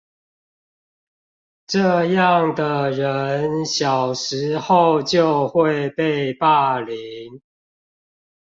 這樣的人小時候就會被霸凌